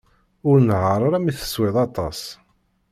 Ur nehher ara mi teswiḍ aṭas.